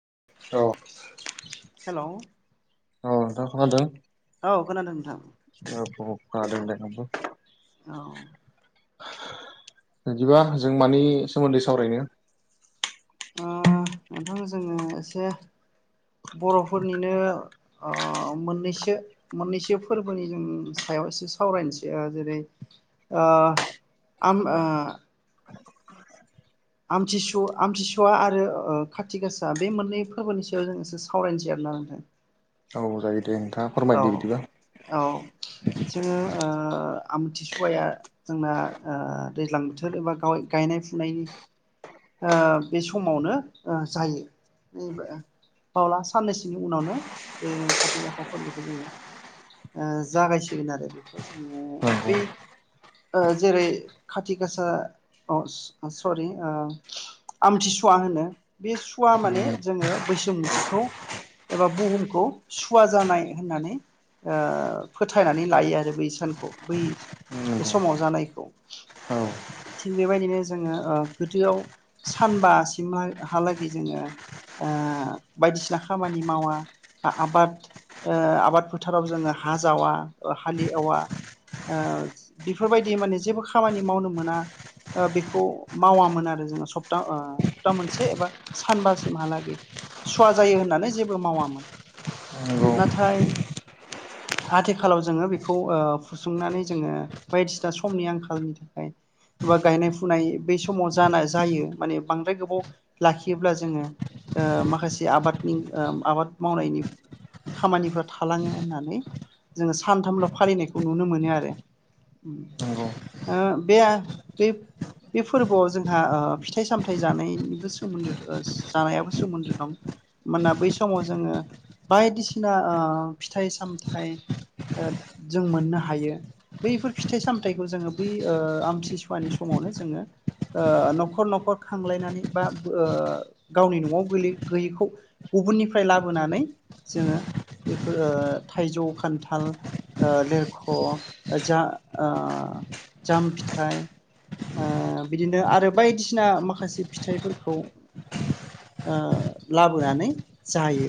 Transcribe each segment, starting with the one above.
[unintelligible] Hello. औ नोंथां खोनादों? औ खोनादों नोंथां। [unintelligible] औ। बिदिबा जों मानि सोमोन्दै सावरायनो? ओ नोंथां जोङो एसे बर'फोरनिनो ओ मोननैसो मोननैसो फोरबोनि जों सायाव एसे सावरायनोसै ओ जेरै ओ आम ओ आमथिसु आमथिसुवा आरो ओ खाथि गासा बे मोननै फोरबोनि सायाव जों इसे सावरायनोसै आरो नोंथां। औ जायो। दे नोंथाङा औ फोरमायदो बिदिबा औ जोङो ओ। ओ आमथिसुवाया जोंना ओ दैज्लां बोथोर एबा गाव- गायनाय फुनायनि। ओ बे समावनो ओ जायो बावला साननैसोनि उनावनो बे खाथि गासा फोरबोखौ जोङो ओ जागायसिगोन आरो बेखौ जोङो नंगौ बै ओ जेरै खाथि गासा अ सरि ओ आमथिसुवा होनो बे सुवा माने जोङो बैसुमुथिखौ एबा बुहुमखौ सुवा जानाय होननानै ओ फोथायनानै लायो आरो बै सानखौ बै नंगौ समाव जानायखौ औ थिग बेबायदिनो जोङो ओ गोदोआव। सानबासिमहालागै जोङो ओ बायदिसिना खामानि मावा आबाद ओ आबाद फोथाराव जोङो हा जावा हालेवा ओ बेफोरबायदि माने जेबो खामानि मावनो मोना ओ बेखौ मावामोन आरो जोङो। सप्ता ओ सप्ता मोनसे एबा सानबासिमहालागै सुवा जायो होननानै जेबो मावामोन नंगौ नाथाय आथिखालाव जोङो बेखौ ओ फुसुंनानै जोङो बायदिसिना समनि आंखालनि थाखाय बा गायनाय फुनाय बै समाव जानाय जायो। माने बांद्राय गोबाव लाखियोब्ला जोङो ओ माखासे आबादनि ओ आबाद मावनायनि खामानिफ्रा थालाङो होननानै जोङो सानथामल फालिनायखौ नुनो मोनो आरो नंगौ ओ बे बे फोरबोआव जोंहा फि फिथाइ सामथाइ जानायनिबो सोमोन्दो जानायाबो सोमोन्दो दं मानोना बै समाव जोङो बायदिसिना ओ फिथाइ सामथाइ ओ जों मोननो हायो बैफोर फिथाइ सामथाइखौ जोङो बै ओ आमथिसुवानि समावनो जोङो ओ नखर नख खर खांलायनानै बा ओ गावनि नआव गोलै-गैयैखौ गुबुनिफाय लाबोनानै जोङो बेफोर ओ थायजौ खान्थाल ओ लेरख' ओ जा ओ जाम फिथाइ ओ बिदिनो आरो बायदि थिना माखासे फिथाइफोरखौ ओ लाबोनानै जायो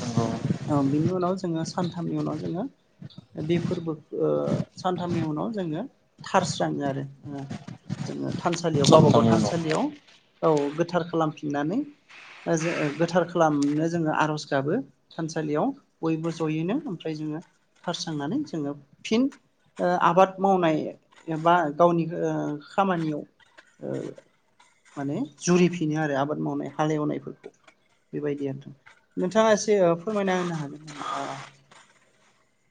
नंगौ ओ बिनि उनाव जोङो सानथामनि उनाव जोङो बे फोरबो ओ सानथामनि उनाव जोङो थारस्राङो आरो जोङो थानसालियाव गावबा गाव सातथानि उनाव थानसालियाव औ गोथार खालामफिननानै ओ जो गोथार खालामनो जोङो आरज गाबो थानसालियाव बयबो जयैनो ओमफ्राय जोङो थारस्रांनानै जोङो फिन ओ आबाद मावनाय एबा गावनि ओ खामानियाव ओ माने जुरिफिनो आरो आबाद मावनाय हालेवनायफोरखौ बेबायदि आरोथ नोंथाङा ओ एसे फोरमायना होनो हागोन नामा ओ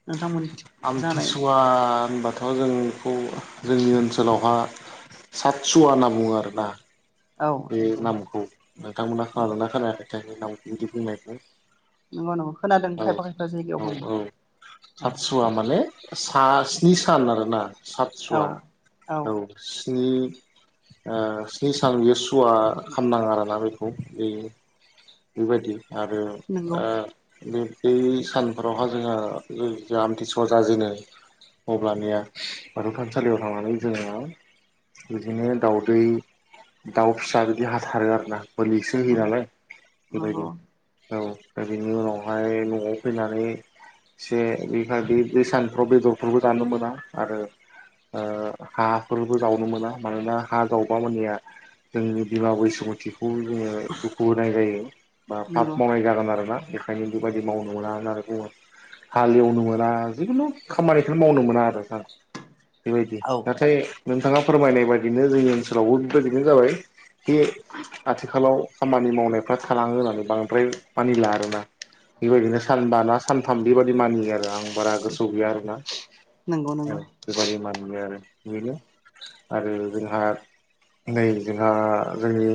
नोंथांमोन। जानाय आमथिसुवा होन [unintelligible] जोंखौ जोंनि ओनसोलावहा सातसुवा होनना बुङो आरोना। औ बे नंगौ नामखौ नोंथांमोना खोनादोंना खोनायाखै। [unintelligible] नंगौ नंगौ खोनादों खायफा खायफा जायगायाव बुङो। औ औ सातसुवा माने [unintelligible] स्नि सान आरोना। सातसुवा औ। नि ओ स्नि सान बियो सुवा खालामनाङा आरोना बेखौ बे बेबायदि। आरो नंगौ ओ। बे पेस। सानफोरावहा जोङा जों आमथिसुवा जाजेनो अब्लानिया बाथौ थानसालियाव थांनानै जोङो बिदिनो दाउदै दाउ फिसा बिदि हाथारो आरोना बोलिसो होयो नंगौ नालाय नंगौ बेबायदि। औ बिनि उनावहाय न'आव फैनानै एसे बे बादि सानफ्राव बेदरफोरबो जानो मोना आरो ओ हाफोरबो जावनो मोना मानोना हा जावबा मानिया जोंनि बिमा बैसुमुथि खौ जोङो दुखु होनाय जायो बा नंगौ पाब मावनाय जागोन आरोना। बेखायनो बेबायदि मावनो मोना होनानै बुङो। हालेवनो मोना जिखुनु खामानिखौ मावनो मोना आरो नोंथां बेबायदि औ नाथाय नोंथाङा फोरमायनाय बाय बिनो जों ओनसोलाव बेफोरदिनो जाबाय बे आथिखालाव खामानि मावनायफ्रा थालाङो होननानै बांद्राय मानिला आरोना बेबायदिनो सानबाना सानथाम बेबादि मानियो आरो आं बारा गोसोआव गैया आरोना नंगौ औ नंगौ बेबायदि मानियो आरो बेनो आरो जोंहा नै जोंहा जोंनि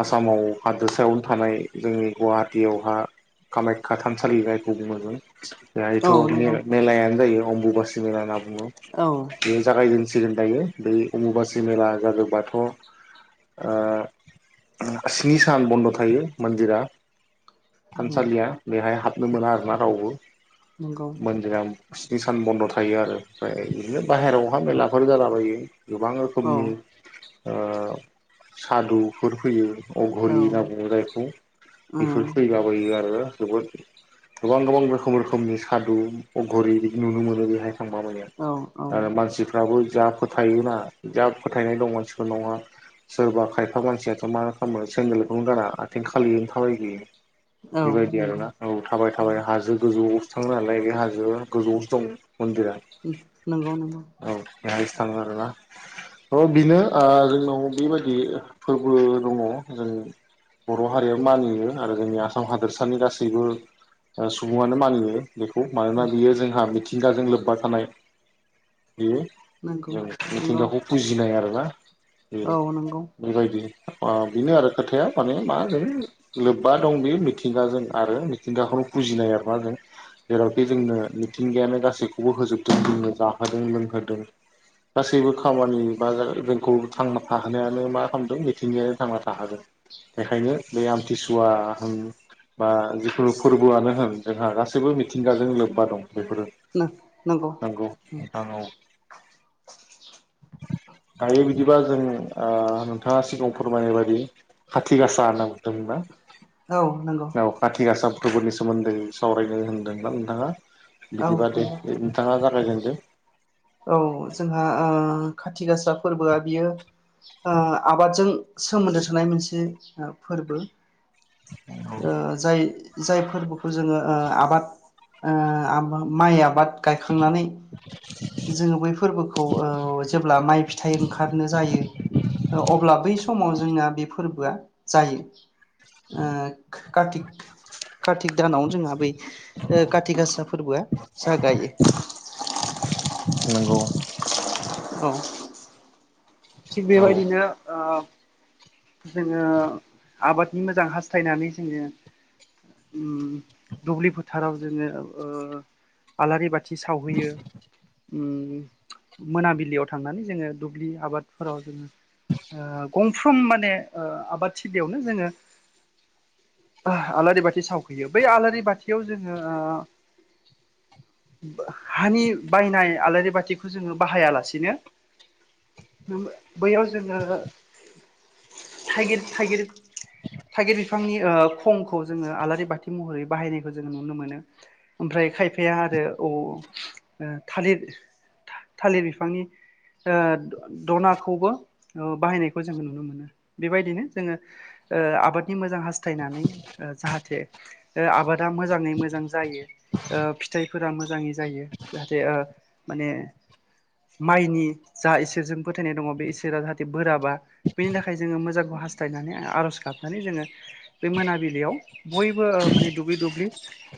आसामाव हादोसायावनो थानाय जोंनि गुवाहाटियावहा कामायख्या थानसालि खौबो मोनो बेहायथ' औ नंगौ मे-मेलायानो जायो। अमबुबासि मेला होननाय दङ औ बेयो जागायदों सिगोन दायो बै अमुबासि मेला जायोबाथ'ओ स्नि सान बन्द' थायो मोन्दिरा थानसालिया बेहाय हाबनो मोना आरो दाना रावबो नंगौ मोनजाया स्नि सान बन्द' थायो आरो ओमफाय इदिनो बायहेरायावहा मेलाफोर जालाबायो गोबां औ रोखोमनि ओ सादुफोर फैयो औ अघरि होनना बुङो जायखौ बेफोर फैलाबायो आरो जोबोद गोबां गोबां रोखोम रोखोमनि सादु अघरि बिदि नुनो मोनो बेहाय थांबा माने औ औ आरो मानसिफ्राबो जा फोथायोना जा फोथायनाय दं मानसिफोरनाव सोरबा खायफा मानसियाथ' मा खामो सेन्देलखौनो गारा आथिं खालियो थाबाय बोयो। औ बेबायदि आरोना नंगौ औ। थाबायना हाजो गो [unintelligible] गोजौआवसो दं मन्दिरा, नंगौ नंगौ औ। [unintelligible] अ बिनो आ जोंनाव बिबायदि फोरबो दङ जों बर' हारिया मानियो आरो जोंनि आसाम हादोरसानि गासैबो ओ सुबुङानो मानियो। बेखौ मानोना बियो जोंहा मिथि थिंगाजों लोब्बा थानाय बेयो नंगौ जों नंगौ मिथिंगाखौ फुजिनाय आरोना। ए औ नंगौ बेबायदि ओ बिनो आरो खोथाया माने माओनो लोब्बा दं बे मिथिंगाजों आरो मिथिंगाखौनो फुजिनाय एबा जों जेरावखि जोंनो मिथिंगायानो गासैखौबो होजोबदों जोंनो जाहोदों लोंहोदों, गासैबो खामानि बा जोंखौ थांना थाहोनायानो मा खालामदों मिथिंगायानो थांना थाहोदों बेखायनो बे आमथिसुवा होनबा जिखुनु फोरबोआनो होन जोंहा गासैबो मिथिंगाजों लोब्बा दं। बेफोरो नो-नोंगौ नंगौ उम। नोंथां औ दायो बिदिबा जों ओ नोंथाङा सिगाङाव फोरमायनाय बायदि खाथि गासा होनना बुंदोंमोन ना? औ नंगौ औ खाथि गासा गुबुननि सोमोन्दै सावरायनो होनदोंना नोंथाङा? औ बिदिबा दे नंगौ नोंथाङा जा गायजोनदो। औ जोंहा ओ खाथि गासा फोरबोआ बियो ओ आबादजों सोमोन्दो थानाय मोनसे आ फोरबो। ओ जाय जाय फोरबोखौ जोङो ओ आबाद ओ आबा- माइ आबाद। गायखांनानै जोङो बै फोरबोखौ ओ जेब्ला माइ फिथाइ ओंखारनो जायो, अब्ला बै समाव जोंना बे फोरबोआ जायो। ओ कार्तिक कार्तिक दानावनो जोंहा बै ओ खाथि गासा फोरबोआ जागायो। नोंगौ अ। औ। थिग औ बेबायदिनो ओ जोङो आबादनि मोजां हास्थायनानै जोङो ओम दुब्लि फोथाराव जोङो ओ आलारि बाथ थि सावहैयो। मोनाबिलियाव थांनानै जोङो दुब्लि आबादफोराव जोङो ओ गंफ्रोम। आबाद थिलियावनो जोङो आलारि बाथि सावहैयो बै आलारि बाथियाव जोङो हानि बायनाय आलारि बाथिखौ जोङो बाहायालासिनो बैयाव जोङो थाइगिर थाइगिर थाइगिर बिफांनि खंखौ जोङो आलारि बाथि महरै बाहायनायखौ जोङो नुनो मोनो ओमफ्राय खायफाया आरो थालिर थालिर बिफांनि ओ दनाखौबो ओ बाहायनायखौ जोङो नुनो मोनो। बेबायदिनो जोङो ओ आबादनि मोजां हास्थायनानै ओ जाहाथे ओ आबादा मोजाङै मोजां जायो ओ फिथाइफोरा मोजाङै जायो जाहाथे ओ माने माइनि जा इसोरजों फोथायनाय दङ बे इसोरा जाहाथे बोराबा। बेनि थाखाय जोङो मोजांखौ हास्थायनानै आर'ज गाबनानै जोङो बे मोनाबिलियाव बयबो माने दुब्लि दुब्लि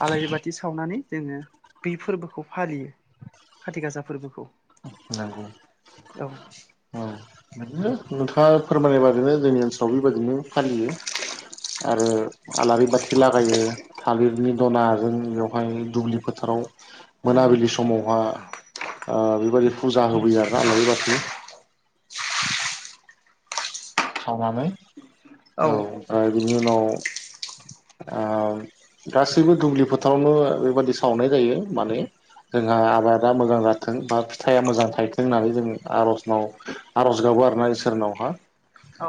आलारि बाथि सावनानै जोङो बे फोरबोखौ फालियो खाथि गासा फोरबोखौ। नंगौ। औ। नो नोंथाङा फोरमायनाय बादैनो जोंनि ओनसोल आव बेबायदिनो फालियो। आरो आलारि बाथि लागायो थालिरनि दनाजों बेवहाय दुब्लि फोथाराव। नंगौ मोनाबिलि समावहा ओ बेबायदि फुजा होबोयो आरो ना आलारि बाथि। सावनानै औ आरो। बिनि उनाव ओ गासैबो दुब्लि फोथारावनो बेबादि सावनाय जायो माने जोंहा आबादा मोजां जाथों बा फिथाइया मोजां थायथों होननानै जों आर'जनाव आर'ज गाबो आरोना इसोरनावहा।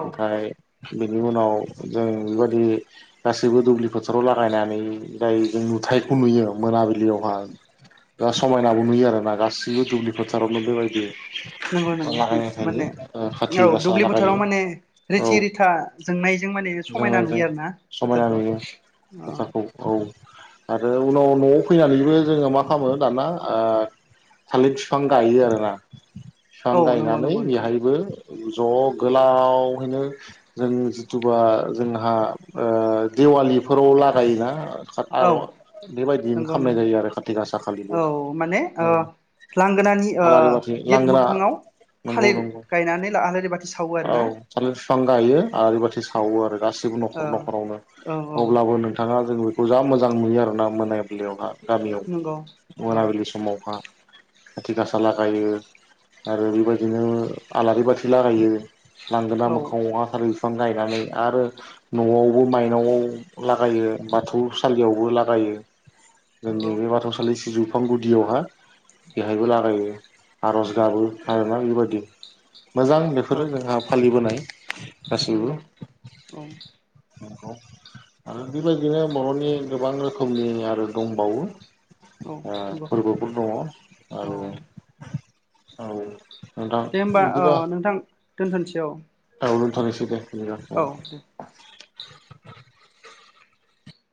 ओमफ्राय बेनि उनाव जों बेबायाददि गासैबो दुब्लि फोथाराव लागायनानै जाय जों नुथायखौ नुयो मोनाबिलियावहाय दा समायनाबो नुयो आरोना गासैबो दुब्लि फोथारावनो बेबायदि। नंगौ नंगौ लागायनाय जायो माने औ काथिक गासा दुब्लि बोथोराव लागायो। माने औ रिथि रिथा जोंनायजों माने समायना जोंनायजों नुयो आरोना समायना फोथारखौ नुयो ओ। फोथारखौ औ आरो उनाव न'आव फैनानैबो जोङो मा खालामो दाना ओ थालिर बिफां गायो आरोना। बिफां औ नंगौ गायनानै नंगौ नोंथां बेहायबो। ज' गोलाव। हायनो जों जिथुबा जोंहा दिेवालिफोराव लागोना। औ नंगौ नौ जायो आरो खाथि गासा खालिबो औ माने ओ लांगोनानि ओ आलारि बाथि गेट लांगोना मोखाङाव नंगौ थालिर नंगौ गायनानै आलारि बाथि सावो आरो औ ना। थालिर बिफां गायो आलारिबाथि सावो आरो। गासिबो औ न'खर न'खरावनो औ औ अब्लाबो नोंथाङा। जों बेखौ जा मोजां नुयो आरोना मोनाबिलियावहा। गामियाव नंगौ औ मोनाबिलि समावहा। आाथि गासा लागायो आरो बेबायदिनो आलारि बाथि लागायो। लांगोना औ मोखाङावहा [unintelligible] बिफां गायनानै आरो। न'आवबो मायनावआव लागायो बाथौसालियावबो लागायो। जोंनि नंगौ बे बाथौसालि सिजु। बिफां गुदियावहा बेहायबो लागायो आरज गाबो हायमा बेबायदि। मोजां औ बेफोरो जोंहा। फालिबोनाय। गासैबो नंगौ औ। नंगौ आरो बेबायदिनो बर'नि गोबां रोखोमनि आरो दंबावो। ओ नंगौ फोरबोफोर दङ औ आरो औ नोंथां दे होमबा ओ बिदिबा नोंथां दोनथ'नोस औ औ दोनथ'नोसै दे। दिब्ला औ दे ओं